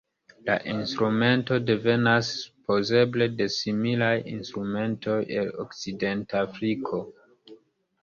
La instrumento devenas supozeble de similaj instrumentoj el Okcidentafriko.